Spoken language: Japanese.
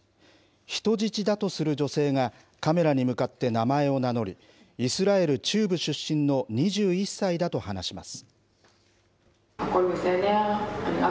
人質だとする女性が、カメラに向かって名前を名乗り、イスラエル中部出身の２１歳だと話します。